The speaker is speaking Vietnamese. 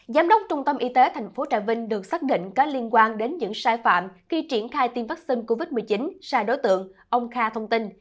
giám đốc trung tâm y tế tp trà vinh được xác định có liên quan đến những sai phạm khi triển khai tiêm vaccine covid một mươi chín sai đối tượng ông kha thông tin